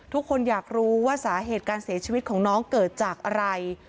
ทุกคนอยากรู้ว่าสาเหตุการเสียชีวิตของน้องเกิดจากอะไร